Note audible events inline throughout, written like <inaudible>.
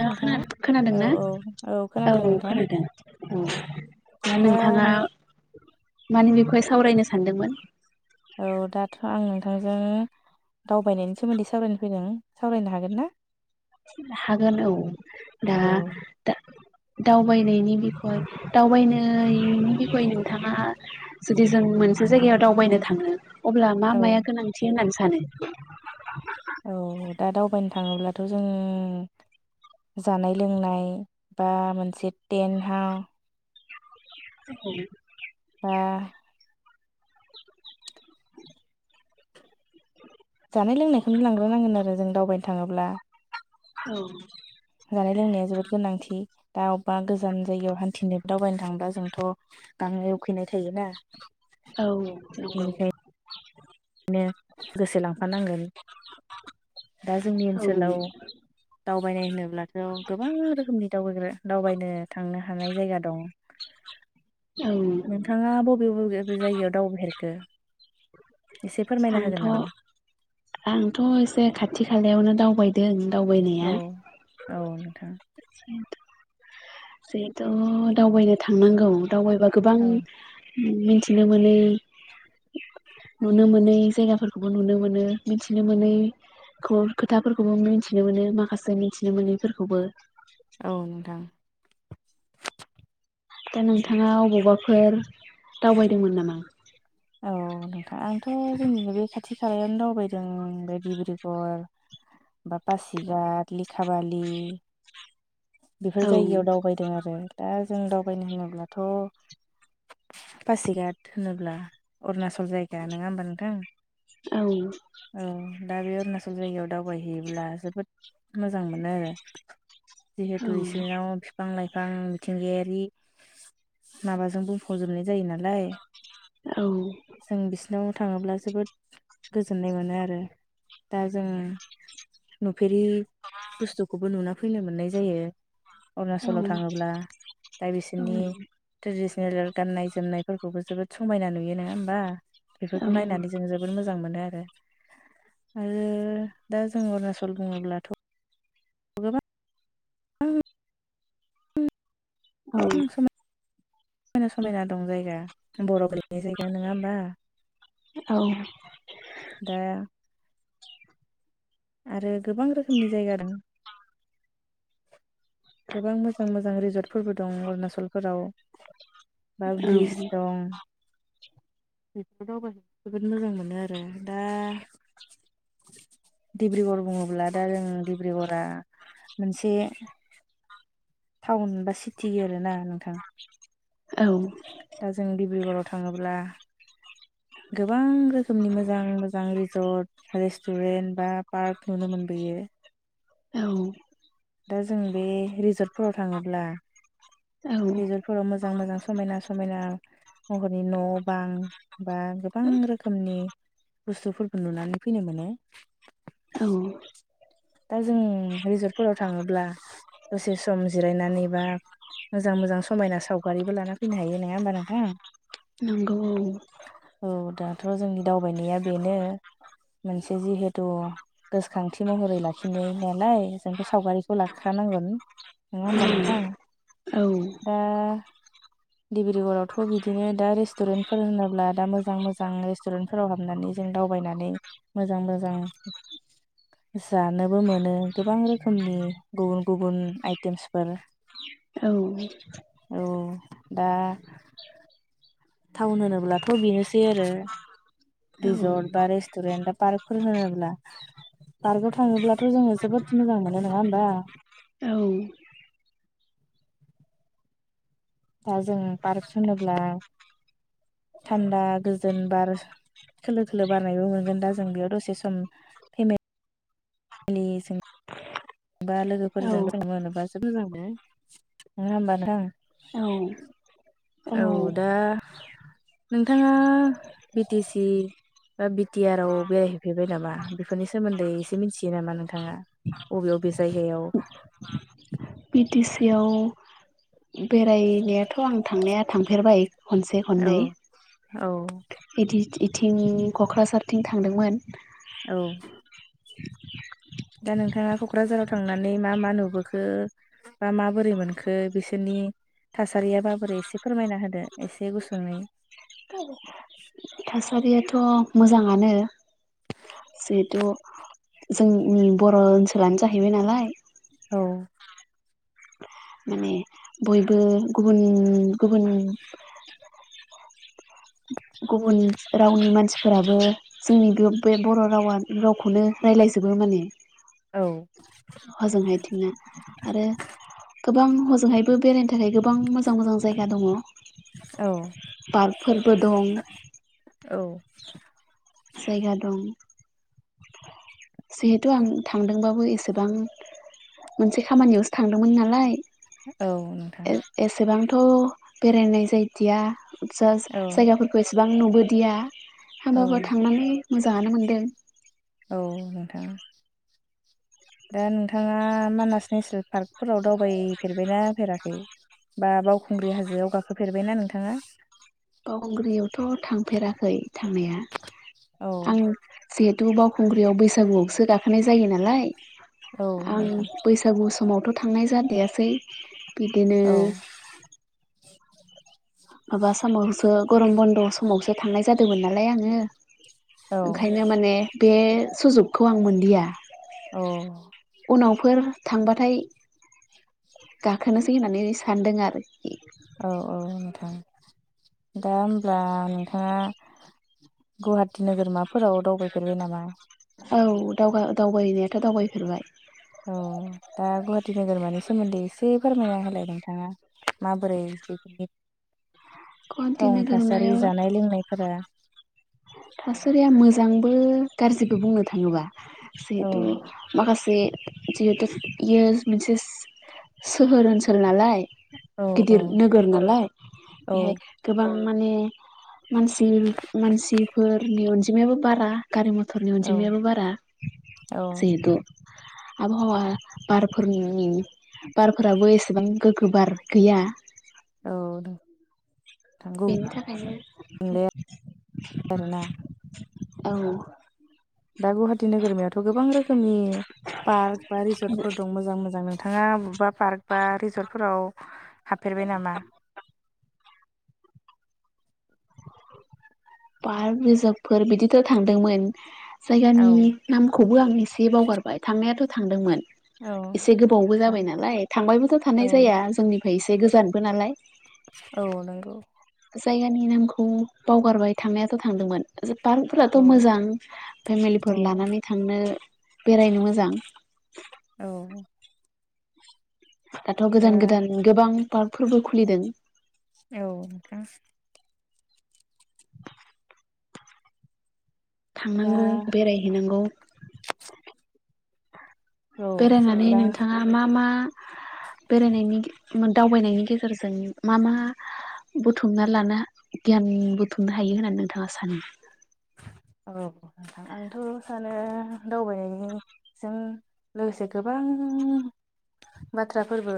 नोंथाङा खोनादों औ ना औ औ खोनादों नोंथां खोनादों औ दा नोंथाङा माने बेखौहाय सावरायनो सानदोंमोन औ दाथ' आं नोंथांजों दावबायनायनि सोमोन्दै सावरायनो फैदों सावरायनो हागोन ना हागोन औ दा औ दावबायनायनि बिखय दावबायनायनि बिखय नोंथाङा जुदि जों मोनसे जायायाव दावबायनो थाङो अब्ला मा औ मा गोनांथि होननानै सानो औ दा दावबायनो थाङोब्लाथ' जोङो जानाय लोंनाय बा मोनसे टेन्टहाव औ बा जानाय लोंनायखौनो लांग्रोनांगोन आरो जों दावबायनो थाङोब्ला औ जानाय लोंनाया जोबोद गोनांथि दा अबेबा गोजान जायगायाव हान्थिनाय दावबायनो थांङोबा जोंथ गांनाय उखैनाय थायोना औ नंगौ नो गोसो लांफानांगोन दा जोंनि औ ओनसोलाव दावबायनाय होनोब्लाथ गोबां रोखोमनि दावबायग्रा दावबायनो थांनो हानाय जायगा दं औ नोंथाङा बबे बबे जायगायाव दावबायफेरखो एसे फोरमायना आंथ होगोन नामा आंथ' एसे खाथि खालायावनो दावबायदों औ दावबायनाया औ नोंथां जिहेथु दावबायनो थांनांगौ दावबायबा गोबां औ मिथिनो मोनो नुनो मोनै जायगाफोरखौबो नुनो मोनो मिथिनो मोनै खौ खोथाफोरखौबो मिथिनो मोनो माखासे मिथिनो मोनैफोरखौबो औ नोंथां दा नोंथाङा अबावबाफोर दावबायदोंमोन नामा औ नोंथाङां आंथ जोंनि बे खाथि खालायावनो दावबायदों बे डिब्रुगर बाबा सिगात लेखा बलि बेफोर औ जायगायाव दावबायदों आरो दा जों दावबायनो होनोब्लाथ पासिगाट होनोब्ला अरुणचल जायगा नङा होमबा नोंथां औ औ दा बे अरुणाचल जायगायाव दावबायहैयोब्ला जोबोद मोजां मोनो आरो औ जिहेथु सिंङाव बिफां लाइ फां मिथिंगायारि माबाजों बुंफावजोबनाय जायो नालाय औ नो थाङोब्ला जोबोद गोजोननाय मोनो आरो दा जों नु फेरि बुस्थुखौबो नुना फैनो मोननाय जायो औ अरुणाचलाव थाङोब्ला दा बिसोरनि ट्रेडिसन नेल गाननाय जोमनायफोरखौबो जोबोद समायना नुयो नङा होमबा औ बेफोरखौ नायनानै जों जोबोद मोजां मोजां मोनो आरो आरो दा जों अरुणाचल बुङोब्लाथ' गोबा औ सम समायना समायना दं जायगा बरफ गोलैनाय जायगा नङा होमबा औ दा आरो गोबां रोखोमनि जायगा दं गोबां मोजां मोजां रिजर्टफोरबो दं अरुणाचलफोराव बा ब्रिस दं बेफोर दावबाय जोबोद मोजां मोनो आरो दा डिब्रुगर बुङोब्ला दा जों डिब्रुगरा मोनसे टाउन बा सिटि आरोना नोंथां औ दा जों डिब्रुगराव थाङोब्ला गोबां रोखोमनि मोजां मोजां रिजर्ट रेस्टुरेन्ट बा पार्क नुनो मोनबोयो औ दा जों बे रिजर्टफोराव थाङोब्ला रिजर्टफोराव मोजां मोजां समायना समायना महरनि न' बां बा गोबां रोखोमनि बुस्थुफोरखौ नुनानै फैनो मोनो औ दा जों रिजर्टफोराव थाङोब्ला दसे सम जिरायनानै बा मोजां मोजां समायना सावगारिबो लाना फैनो हायो नङा होमबा नोंथां नांगौ औ थ' जोंनि दावबायनाया बेनो मोनसे जिहेथु गोसोखांथि महरै ला खिनायनालाय जोंथ' सावगारिखौ लाखानांगोन नङा होमबा नोंथां? औ दा <inaudible> डब्रिगर आवथ' बिदिनो दा रेस्टुरेन्टफोर होनोब्ला दा मोजां मोजां रेस्टुरेन्टफोराव हाबनानै जों दा दावनानै मोजां मोजां जानोबो मोनो गोबां रोखोमनि गुबुन गुबुन आइटेमसफोर औ औ दा टाउन होनोब्लाथ' बेनोसै आरो रिजर्ट औ बा रेस्टुरेन्ट बा पार्कफोर होनोब्ला पार्कआव थाङोब्लाथ' जोङो जोबोद मोजां मोनो नङा होमबा? <inaudible> दा जों पार्क होनोब्ला थान्दा गोजोन बार खोलो खोलो बारनायबो मोनगोन दा जों बेयाव दसे सम फेमे‌ बा लोगोफोरजों <unintelligible> मोजां मोन नङा होमब नोंथां <inaudible> औ दा नोंथाङा बिटि सि बा बिटि आर आव बेरायहैफेरबाय नामा बेफोरनि सोमोन्दै एसे मिथियो नामा नोंथाङा? अबे अबे जायगायाव बि टि सि आव बेरायनायाथ' आं थांनाया थांफेरबाय खनसे औ खननै औ इदि इथिं नि क'क्राझारथिं थांदोंमोन औ दा नोंथाङा क'क्राझाराव थांनानै मा मा नुबोखो? बा माबोरै मोनखो बिसोरनि थासारिया माबोरै एसे फोरमायना होदो एसे गुसुङै थासारियाथ' मोजाङानो जिहेथु जोंनि बर' ओनसोलानो जाहैबाय नालाय औ माने बयबो गुबुन गुबुन गुबुन रावनि मानसिफोराबो जोंनि बे बे बर' रावा रावखौनो रायज्लायजोबो माने औ अहाजोंहायथिंना आरो गोबां हजोंहायबो बेरायनो थाखाय गोबां मोजां मोजां जायगा दङ' औ बाग फोरबो दं औ जायगा दं जिहेथु आं थांदोंबाबो एसेबां मोनसे खामानियावसो थांदोंमोन नालाय औ नोंथां थ' बेरायनाय जायदिया औ जायगाफोरखौ एसेबां नुबोदिया औ होमबाबो थांनानै मोजाङानो मोनदों औ नोंथाङा <inaudible> दा नोंथाङा मानास नेसनेल पार्कफोराव दावबायफेरबायना फेराखै बा बाव खुंग्रि हाजोआव गाखोफेरबायना नोंथाङा बावखुंग्रियावथ' थांफेराखै थांनाया औ आं जिहेथु बावखुंग्रियाव बैसागुआवसो गाखोनाय जायो नालाय औ आं नोंथां बैसागु समावथ' थांनाय जादिसै बिदिनो औ माबा समावसो गरम बन्द' समावसो थांनाय जादोंमोन नालाय आङो औ ओंखायनो माने बे सुजुगखौ आं मोनदिया औ उनावफोर थांबाथाय गाखोनोसै होननानै सानदों आरो औ औ नोंथां दा होमब्ला नोंथाङा गुवाहाटि नोगोरमाफोराव दावबायफेरबाय नामा? औ दावबायनायाथ' दावबायफेरबाय औ दा गुवाहाटि नोगोरमानि सोमोन्दै एसे फोरमायना होलाय नोंथाङा माबोरै बेफोरनि गुवाहाटि टावनाव थासारि नोगोरमायाव जानाय लोंनायफोरा थासारिया मोजांबो गाज्रिबो बुंनो थाङोबा औ जिहेथु माखासे जिहेथु इयो मोनसे सोहोर ओनसोल नालाय औ औ गिदिर नोगोर नालाय औ बेहाय गोबां माने मानसि मानसिफोरनि अनजिमायाबो बारा गारि मथरनि औ अनजिमायाबो बारा औ जिहेथु आबहावा बारफोरनि बारफोराबो एसेबां गोग्गो बार गैया औ थांगौ बेनि थाखायनो दे आरोना औ दा गुवाहाटि नोगोरमियाथ' गोबां रोखोमनि पार्क बा रिजर्टफोर दं मोजां मोजां नो नोंथाङा बबेबा पार्क बा रिजर्टफोराव हाबफेरबाय नामा पार्क रिजारभफोर बिदिथ' थांदोंमोन औ जायगानि नामखौ बो आं एसे बावगारबाय थांनायाथ' थांदोंमोन औ एसे गोबावबो नोंथां जाबाय नालाय थांबायबोथ' औ थानाय जाया जोंनिफ्राय एसे गोजानबो नालाय औ नंगौ जायगानि नामखौ बावगारबाय थांनायाथ' थांदोंमोन पार्कफोराथ' औ मोजां औ फेमिलिफोर लानानै थांनो बेरायनो मोजां औ दाथ' दा गोदान गोदान गोबां पार्कफोरबो खुलिदों औ नोंथां दा थांनांगौ बेरायहैनांगौ औ बेरायनानै दा नोंथाङा मा मा बेरायनायनि दावबायनायनि गेजेरजों मा मा बुथुमना लानो गियान बुथुमनो हायो होननानै नोंथाङा सानो औ नोंथां आंथ' सानो दावबायनायनिसिम लोगोसे गोबां लांदां बाथ्राफोरबो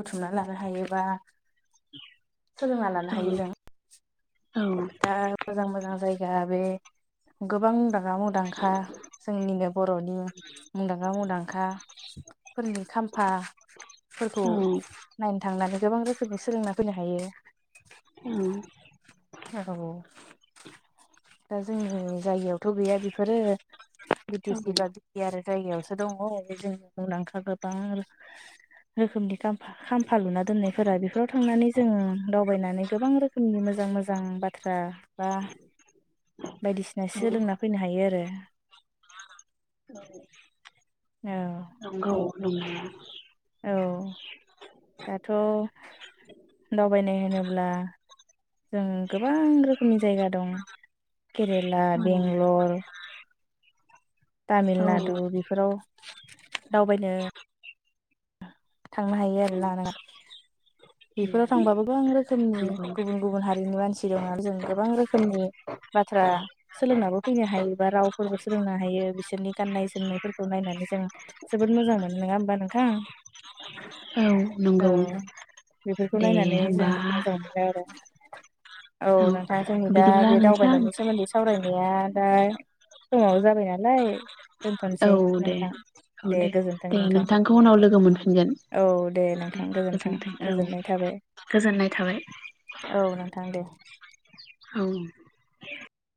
बुथुमना लानो हायोबा -' सोलोंना औ लानो हायो जों । औ दा मोजां मोजां जायगा बे गोबां मुंदांखा मुंदांखा जोंनिनो बर'नि मुंदांखा मुंदांखाफोरनि खाम्फा फोरखौ औ नायनो थांनानै गोबां रोखोमनि सोलोंना फैनो हायो औ दा जोंनि जायगायावथ' गैया बेफोरो बि टि सि बा औ बिटि आर जायगायावसो दङ बे जोंनि मुंदांखा गोबां आरो रोखोमनि खाम्फा लुना दोननायफोरा बेफोराव थांनानै जोङो दावबायनानै गोबां रोखोमनि मोजां मोजां मोजां बाथ्रा बा बायदिसिना औ सोलोंना फैनो हायो आरो औ औ <inaudible> औ दाथ' दावबायनाय होनोब्ला ब्ला जों गोबां रोखोमनि जायगा दं केरेला औ बेंगलर तामिलनाडु बेफोराव दावबायनो थांनो हायो आरोना नोङो बेफोराव थांबाबो गोबां रोखोमनि नंगौ गुबुन गुबुन हारिनि मानसि दं आरो जों गोबां रोखोमनि बाथ्रा सोलोंनाबो फैनो हायो बा रावफोरबो सोलोंनो हायो बिसोरनि गान्नाय जोमनायफोरखौ नायनानै जों जोबोद मोजां मोनो नङा होमबा नोंथां औ औ नंगौ बेफोरखौ दे नायनानै जों होमबा मोजां मोनो आरो औ नोंथां जोंनि दा बिदिब्ला बे नोंथां दावबायनायनि सोमोन्दै सावरायनाया दा समाबो जाबायना नालाय औ दोनथ'नोसै दे नोंथां औ दे गोजोनथों दे नोंथां नोंथांखौ उनाव लोगो मोनफिनगोन औ दे नोंथां दे गोजोनथों गोजोन्थों औ गोजोननाय थाबाय गोजोननाय थाबाय औ नोंथां दे औ